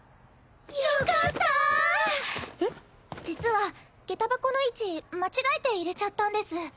実はげた箱の位置間違えて入れちゃったんです。